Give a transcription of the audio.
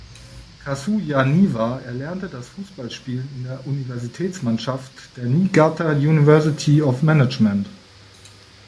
Kazuya Niwa erlernte das Fußballspielen in der Universitätsmannschaft der Niigata University of Management.